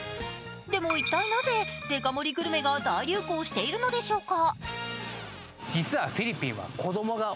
でも一体なぜデカ盛りグルメが大流行しているのでしょうか。